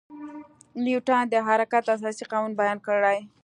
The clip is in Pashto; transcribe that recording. نیوټن د حرکت اساسي قوانین بیان کړي.